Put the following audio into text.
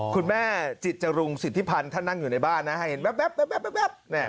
คุณแม่จิตจรุงสิทธิพันธ์ท่านนั่งอยู่ในบ้านนะให้เห็นแว๊บ